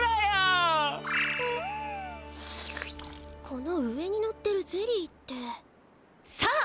この上にのってるゼリーって。さあ！